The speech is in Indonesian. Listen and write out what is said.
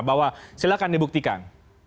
bahwa silahkan dibuktikan